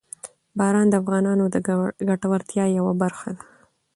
باران د افغانانو د ګټورتیا یوه برخه ده.